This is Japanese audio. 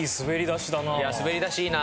いや滑り出しいいな。